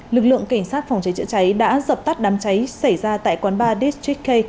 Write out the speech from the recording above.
lực lượng cảnh sát phòng cháy chữa cháy đã dập tắt đám cháy xảy ra tại quán ba districk k